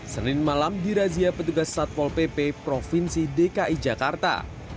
senin malam dirazia petugas satpol pp provinsi dki jakarta